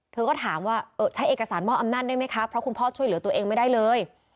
เธอก็ถามว่าใช้เอกสารมอบอำนาจได้ไหมคะเพราะคุณพ่อช่วยเหลือตัวเองไม่ได้เลย